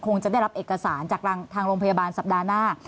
จะได้รับเอกสารจากทางโรงพยาบาลสัปดาห์หน้า